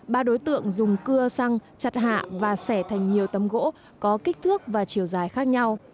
ba đối tượng dùng cưa xăng chặt hạ và sẻ thành nhiều tấm gỗ có kích thước và chiều dài khác nhau